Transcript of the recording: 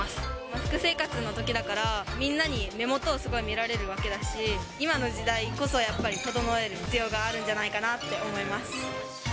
マスク生活のときだから、みんなに目元をすごい見られるわけだし、今の時代こそやっぱり整える必要があるんじゃないかなって思います。